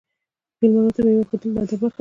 میلمنو ته میوه ایښودل د ادب برخه ده.